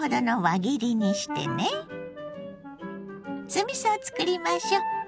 酢みそを作りましょう。